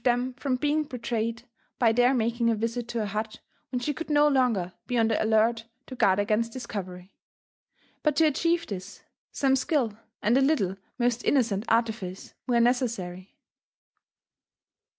75 them from being betrayed by their making a visit to her hut when she oould BO longer be on the alert to guard against discovery. But to achieve this,. some skill and a little most innocent artifice were ne cessary.